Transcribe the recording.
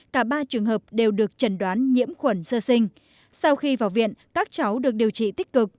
cả ba trường hợp đều được trần đoán nhiễm khuẩn sơ sinh sau khi vào viện các cháu được điều trị tích cực